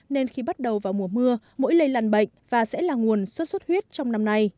nên khi bắt đầu vào mùa mưa mỗi lây lằn bệnh và sẽ là nguồn xuất xuất huyết trong năm nay